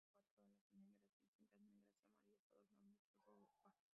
Tiene cuatro alas negras y cintas negras y amarillas adornando su ropa.